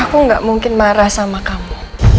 aku gak mungkin marah sama kamu